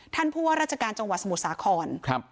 ท่านผู้ว่าราชการจังหวัดสมุทรสาคร